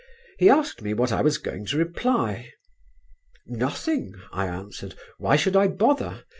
He asked me what I was going to reply. "Nothing," I answered, "why should I bother?